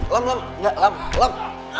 lam lam enggak lam lam